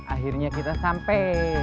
akhirnya kita sampe